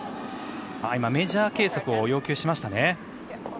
メジャー計測を要求しましたね。